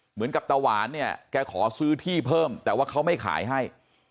ตะหวานเนี่ยแกขอซื้อที่เพิ่มแต่ว่าเขาไม่ขายให้